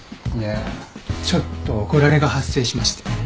いやちょっと怒られが発生しまして。